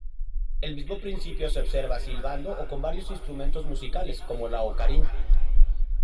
El mismo principio se observa silbando o con varios instrumentos musicales como la ocarina.